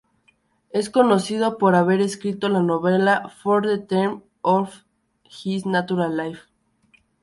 Es conocido por haber escrito la novela "For the Term of His Natural Life".